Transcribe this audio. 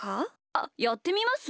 あっやってみます？